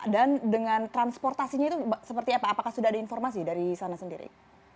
dan dengan transportasinya itu seperti apa apakah sudah ada informasi dari sana sendiri